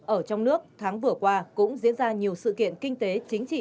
ở trong nước tháng vừa qua cũng diễn ra nhiều sự kiện kinh tế chính trị